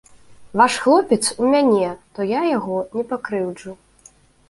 Ваш хлопец у мяне, то я яго не пакрыўджу.